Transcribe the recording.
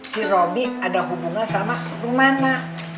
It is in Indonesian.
si robi ada hubungan sama rumana